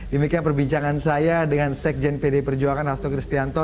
demikian perbincangan saya dengan sekjen pd perjuangan hasto kristianto